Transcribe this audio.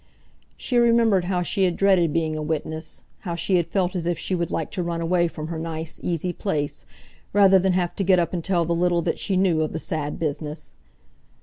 She remembered how she had dreaded being a witness, how she had felt as if she would like to run away from her nice, easy place, rather than have to get up and tell the little that she knew of the sad business.